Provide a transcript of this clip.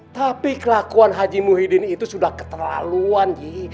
tapi kelakuan haji muhyiddin itu sudah keterlaluan